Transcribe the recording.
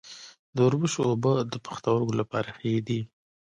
د وربشو اوبه د پښتورګو لپاره ښې دي.